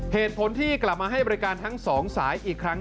เหตุผลที่กลับมาให้บริการทั้งสองสายอีกครั้ง